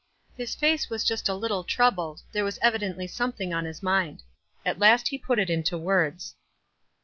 His face was just a little troubled ; there was evidently something on his mind. At last he put it into words.